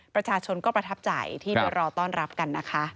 ประชาชนก็ประทับใจที่ไปรอต้อนรับกันนะคะ